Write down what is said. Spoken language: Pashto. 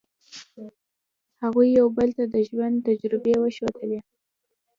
هغوی یو بل ته د ژوند تجربې وښودلې.